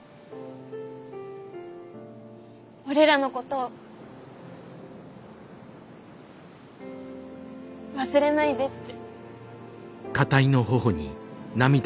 オレらのこと忘れないでって。